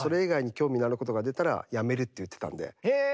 へえ。